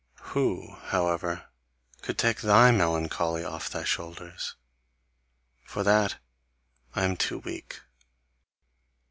Who, however, could take THY melancholy off thy shoulders? For that I am too weak.